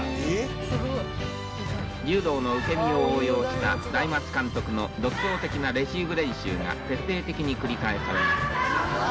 柔道の受け身を応用した大松監督の独創的なレシーブ練習が徹底的に繰り返されます。